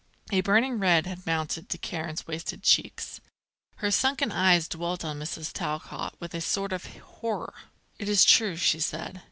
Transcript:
A burning red had mounted to Karen's wasted cheeks. Her sunken eyes dwelt on Mrs. Talcott with a sort of horror. "It is true," she said.